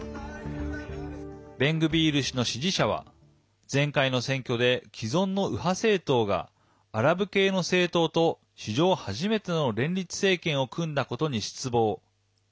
ベングビール氏の支持者は前回の選挙で既存の右派政党がアラブ系の政党と史上初めての連立政権を組んだことに失望。